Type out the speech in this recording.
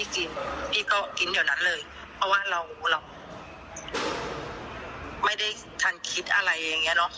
จริงพี่ก็กินเดี๋ยวนั้นเลยเพราะว่าเราไม่ได้ทันคิดอะไรอย่างนี้เนอะ